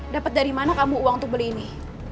dapat dari mana kamu uang untuk beli ini